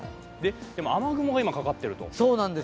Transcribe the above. でも、雨雲が今かかっていると。